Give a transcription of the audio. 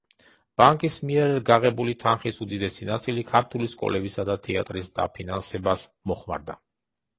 ბანკის მიერ გაღებული თანხის უდიდესი ნაწილი ქართული სკოლებისა და თეატრის დაფინანსებას მოხმარდა.